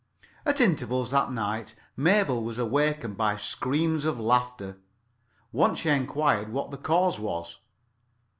At intervals that night Mabel was awakened by screams of laughter. Once she enquired what the cause was.